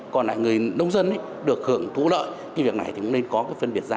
còn người nông dân được hưởng thủ lợi cái việc này cũng nên có phân biệt ra